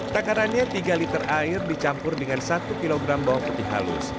takarannya tiga liter air dicampur dengan satu kilogram bawang putih halus